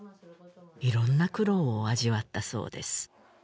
いろんな苦労を味わったそうです